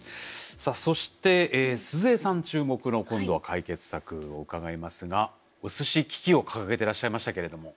さあそして鈴江さん注目の今度は解決策を伺いますがお寿司危機を掲げてらっしゃいましたけれども。